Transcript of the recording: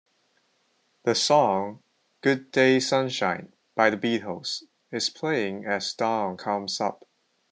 The song, Good Day Sunshine by the Beatles is playing as dawn comes up.